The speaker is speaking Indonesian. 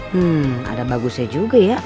hmm ada bagusnya juga ya